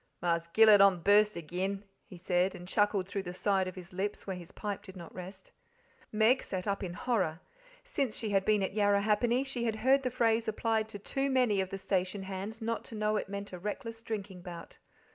"Marse Gillet on the burst agen," he said, and chuckled through the side of his lips where his pipe did not rest. Meg sat up in horror. Since she had been at Yarrahappini she had heard the phrase applied to too many of the station hands: not to know that it meant a reckless drinking bout.